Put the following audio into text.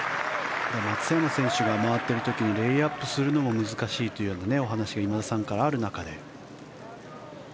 松山選手が回っている時にレイアップするのも難しいというお話が今田さんからある中で。